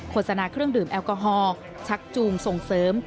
สนาเครื่องดื่มแอลกอฮอล์ชักจูงส่งเสริม